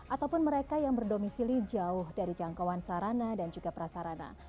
ataupun mereka yang berdomisili jauh dari jangkauan sarana dan juga prasarana